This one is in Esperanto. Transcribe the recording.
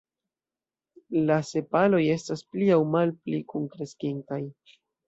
La sepaloj estas pli aŭ malpli kunkreskintaj.